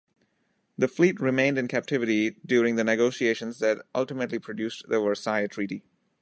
The fleet remained in captivity during the negotiations that ultimately produced the Versailles Treaty.